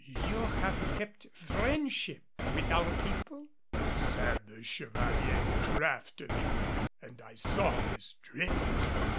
"You have kept friendship with our people?" said the Chevalier craftily, and I saw his drift.